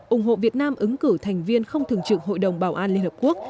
ủng hộ việt nam ứng cử thành viên không thường trực hội đồng bảo an liên hợp quốc